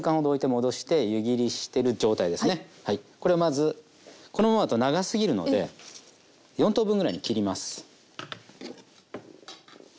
これをまずこのままだと長すぎるので４等分ぐらいに切ります。